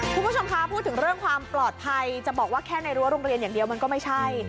คุณผู้ชมคะพูดถึงเรื่องความปลอดภัยจะบอกว่าแค่ในรั้วโรงเรียนอย่างเดียวมันก็ไม่ใช่